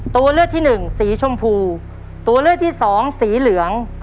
ตัวเลือกที่หนึ่งสีชมพูตัวเลือกที่สองสีเหลือง